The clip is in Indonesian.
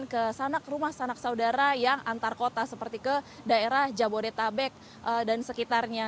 dan ke sana rumah sanak saudara yang antar kota seperti ke daerah jabodetabek dan sekitarnya